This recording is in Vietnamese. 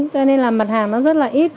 cho nên là mặt hàng nó rất là ít